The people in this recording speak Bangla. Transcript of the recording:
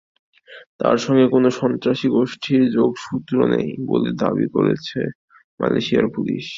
তাঁর সঙ্গে কোনো সন্ত্রাসী গোষ্ঠীর যোগসূত্র নেই বলে দাবি করেছে মালয়েশিয়ার পুলিশ।